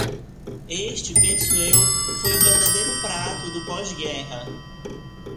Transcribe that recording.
Este, penso eu, foi o verdadeiro prato do pós-guerra.